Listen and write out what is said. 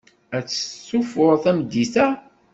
Ad testufuḍ tameddit-a?